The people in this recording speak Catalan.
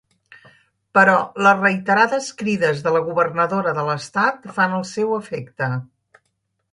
Però les reiterades crides de la Governadora de l'Estat fan el seu efecte.